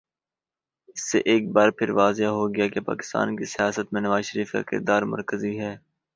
اس سے ایک بارپھر واضح ہو گیا کہ پاکستان کی سیاست میں نوازشریف کا کردار مرکزی ہے۔